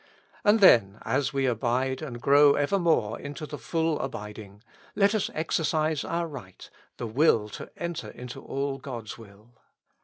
And then as we abide and grow evermore into the full abiding, let us exercise our right, the will to enter into all God's will.